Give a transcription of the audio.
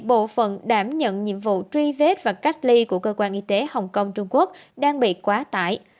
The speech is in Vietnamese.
bộ phận đảm nhận nhiệm vụ truy vết và cách ly của cơ quan y tế hồng kông trung quốc đang bị quá tải